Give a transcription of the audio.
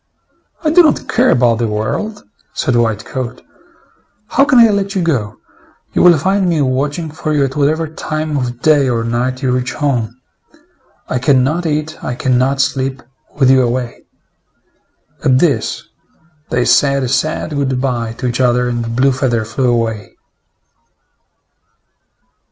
"I do not care about the world," said White coat. "How can I let you go! You will find me watching for you at whatever time of day or night you reach home. I can not eat, I can not sleep, with you away." At this, they said. a sad good by to each other, and Blue feather flew away.